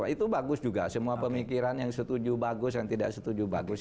itu bagus juga semua pemikiran yang setuju bagus yang tidak setuju bagus